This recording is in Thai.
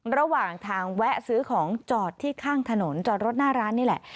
ระหว่างทางแวะซื้อของจอดที่ข้างถนนจอดรถหน้าร้านนี่แหละ